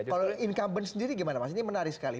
kalau incumbent sendiri gimana mas ini menarik sekali